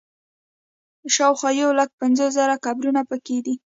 شاوخوا یو لک پنځوس زره قبرونه په کې دي.